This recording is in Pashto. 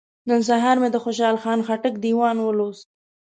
نن سهار مې د خوشحال خان خټک دیوان ولوست.